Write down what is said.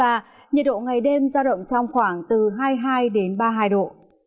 và nhiệt độ ngày đêm giao động trong khoảng từ hai mươi hai ba mươi hai độ